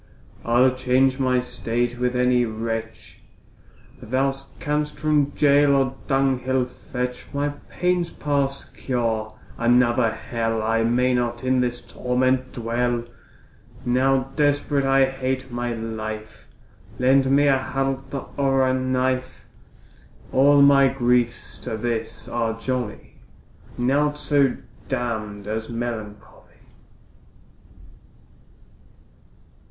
I'll change my state with any wretch, Thou canst from gaol or dunghill fetch; My pain's past cure, another hell, I may not in this torment dwell! Now desperate I hate my life, Lend me a halter or a knife; All my griefs to this are jolly, Naught so damn'd as melancholy.